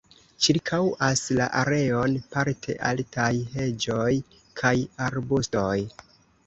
Ĉirkaŭas la areon parte altaj heĝoj kaj arbustoj.